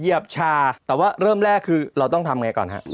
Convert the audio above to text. เหยียบชาแต่ว่าเริ่มแรกคือเราต้องทำอย่างไรก่อนครับ